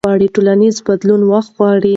ټولنیز بدلون وخت غواړي.